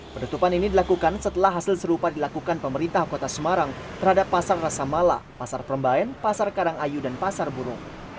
penutupan ini dilakukan setelah hasil serupa dilakukan pemerintah kota semarang terhadap pasar rasa mala pasar perembayan pasar karangayu dan pasar burung